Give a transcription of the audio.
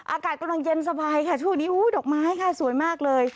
อากาศกำลังเย็นสบายค่ะช่วงนี้ดอกไม้ค่ะสวยมากเลย